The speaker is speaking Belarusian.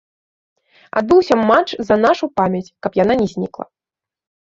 Адбыўся матч за нашу памяць, каб яна не знікла.